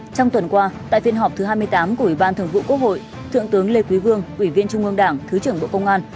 trong tuần qua tại phiên họp thứ hai mươi tám của ủy ban thường vụ quốc hội thượng tướng lê quý vương ủy viên trung ương đảng thứ trưởng bộ công an